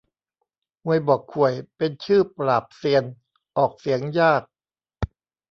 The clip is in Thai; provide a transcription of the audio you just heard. ฮวยบ่อข่วย เป็นชื่อปราบเซียน ออกเสียงยาก